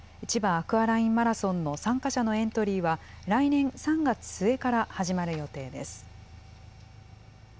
アクアラインマラソンの参加者のエントリーは、来年３月末から始まる予定です。